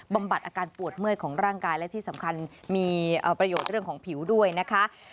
บัดอาการปวดเมื่อยของร่างกายและที่สำคัญมีประโยชน์เรื่องของผิวด้วยนะคะ